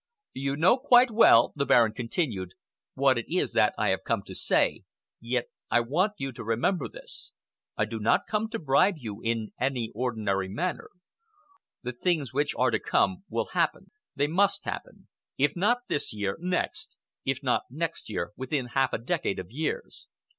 "You know quite well," the Baron continued, "what it is that I have come to say, yet I want you to remember this. I do not come to bribe you in any ordinary manner. The things which are to come will happen; they must happen, if not this year, next,—if not next year, within half a decade of years.